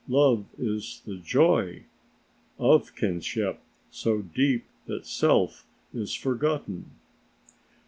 Love is the joy of kinship so deep that self is forgotten."